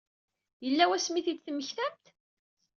Yella wasmi i t-id-temmektamt?